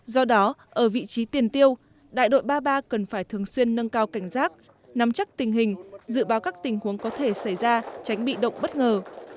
do đó ở vị trí tiền tiêu đại đội ba mươi ba cần phải thường xuyên nâng cao cảnh giác nắm chắc tình hình dự báo các tình huống có thể xảy ra tránh bị động bất ngờ